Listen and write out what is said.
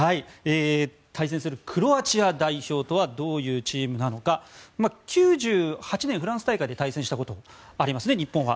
対戦するクロアチア代表とはどういうチームなのか９８年、フランス大会で対戦したことがあります日本は。